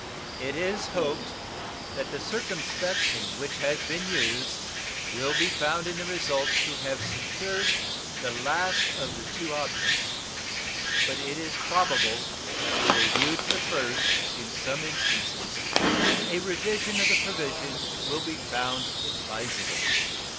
It is hoped that the circumspection which has been used will be found in the result to have secured the last of the two objects; but it is probable that with a view to the first in some instances a revision of the provision will be found advisable.